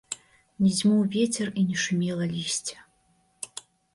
Не дзьмуў вецер і не шумела лісце.